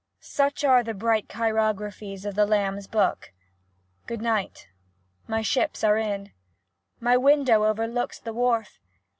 Such are the bright chirographics of the 'Lamb's Book.' Good night ! My ships are in !— My window overlooks the wharf!